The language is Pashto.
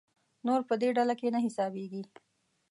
نور په دې ډله کې نه حسابېږي.